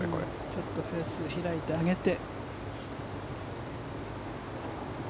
ちょっとフェース開いて上げて。